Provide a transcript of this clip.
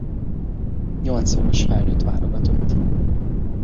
Nyolcszoros felnőtt válogatott.